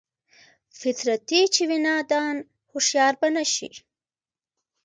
فطرتي چې وي نادان هوښيار به نشي